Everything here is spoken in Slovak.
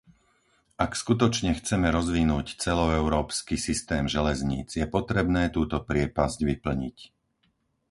Ak skutočne chceme rozvinúť celoeurópsky systém železníc, je potrebné túto priepasť vyplniť.